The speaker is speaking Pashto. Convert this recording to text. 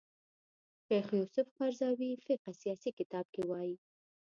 شیخ یوسف قرضاوي فقه سیاسي کتاب کې وايي